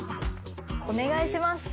お願いします。